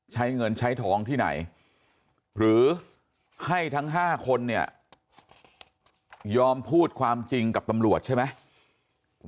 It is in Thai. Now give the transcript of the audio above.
ใช้เงินใช้ทองที่ไหนหรือให้ทั้ง๕คนเนี่ยยอมพูดความจริงกับตำรวจใช่ไหม